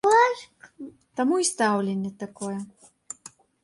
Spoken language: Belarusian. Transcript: Таму і стаўленне такое.